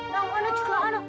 anak anak juga anak anak